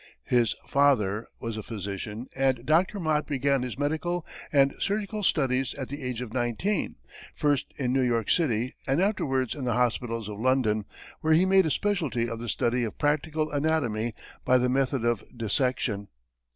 His father was a physician, and Dr. Mott began his medical and surgical studies at the age of nineteen, first in New York City, and afterwards in the hospitals of London, where he made a specialty of the study of practical anatomy by the method of dissection.